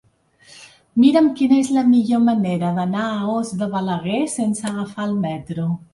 Mira'm quina és la millor manera d'anar a Os de Balaguer sense agafar el metro.